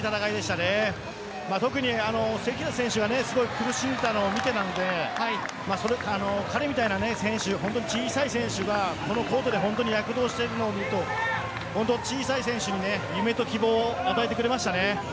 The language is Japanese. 特に関田選手が苦しんでいたのを見ていたので彼みたいな選手小さい選手がコートで躍動しているのを見ると小さい選手に夢と希望を与えてくれました。